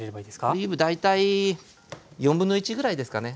オリーブ大体1/4ぐらいですかね。